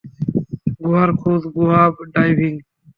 গুহার খোঁজ, গুহা ডাইভিং।